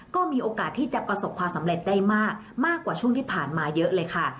ก็มีโอกาสที่จะประสบความสำเร็จได้มากกว่าช่วงที่ผ่านมาเยอะเลยค่ะ